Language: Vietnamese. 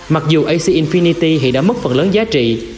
mặc dù ac infinity thì đã mất phần lớn giá trị